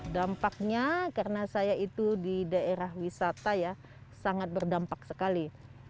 dampaknya karena saya itu di daerah wisata ya sangat berdampak sekali